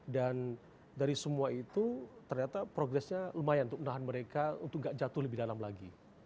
dan dari semua itu ternyata progresnya lumayan untuk menahan mereka untuk gak jatuh lebih dalam lagi